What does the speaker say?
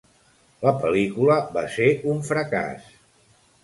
La pel·lícula va ser un fracàs.